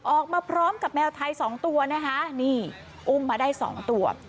ออกมาพร้อมกับแมวไทยสองตัวนะคะนี่อุ้มมาได้สองตัว